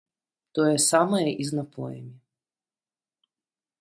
Тое самае і з напоямі.